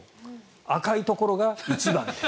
赤いところが一番。